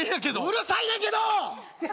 うるさいんやけど！